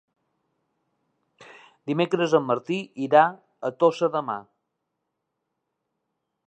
Dimecres en Martí irà a Tossa de Mar.